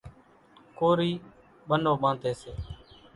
ڪورِي ٻنو ٻانڌيَ سي۔